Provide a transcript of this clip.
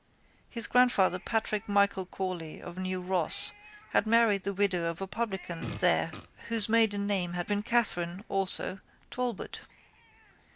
His grandfather Patrick Michael Corley of New Ross had married the widow of a publican there whose maiden name had been Katherine (also) Talbot.